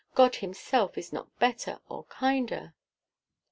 God himself is not better or kinder."